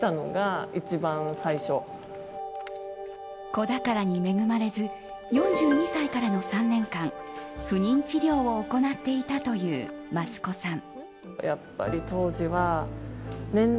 子宝に恵まれず４２歳からの３年間不妊治療を行っていたという益子さん。